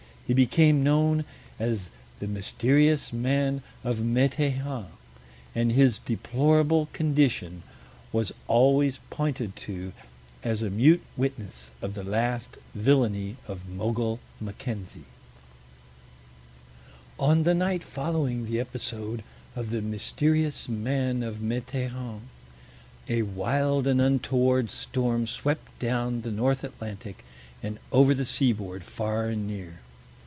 He became known as the "Mysterious Man of Meteighan," and his deplorable condition was always pointed to as a mute witness of the last villainy of Mogul Mackenzie. On the night following the episode of the "Mysterious Man of Meteighan," a wild and untoward storm swept down the North Atlantic and over the seaboard far and near.